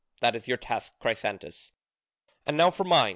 That is your task, Chrysantas, and now for mine.